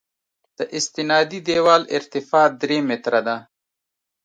د استنادي دیوال ارتفاع درې متره ده